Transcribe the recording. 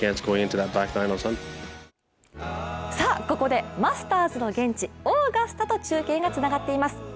ここでマスターズの現地オーガスタと中継がつながっています。